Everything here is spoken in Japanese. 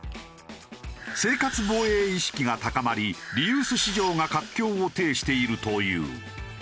生活防衛意識が高まりリユース市場が活況を呈しているという。